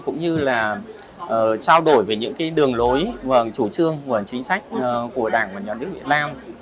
cũng như là trao đổi về những cái đường lối chủ trương chính sách của đảng và nhân dân việt nam